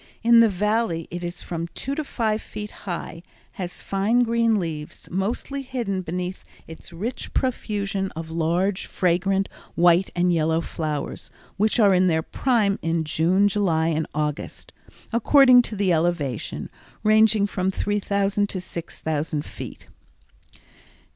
In the Valley it is from two to five feet high, has fine green leaves, mostly hidden beneath its rich profusion of large, fragrant white and yellow flowers, which are in their prime in June, July and August, according to the elevation, ranging from 3000 to 6000 feet.